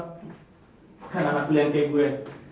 bukan anak belian kayak gue